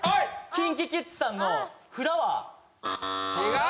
ＫｉｎＫｉＫｉｄｓさんの「フラワー」違う！